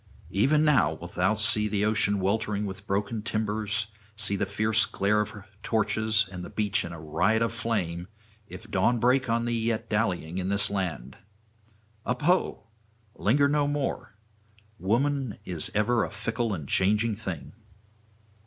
Even now wilt thou see ocean weltering with broken timbers, see the fierce glare of torches and the beach in a riot of flame, if dawn break on thee yet dallying in this land. Up ho! linger no more! Woman is ever a fickle and changing thing.'